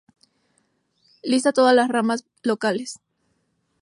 Lista todas las ramas locales.